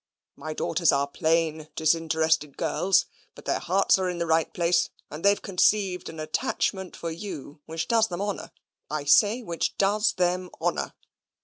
My daughters are plain, disinterested girls, but their hearts are in the right place, and they've conceived an attachment for you which does them honour I say, which does them honour.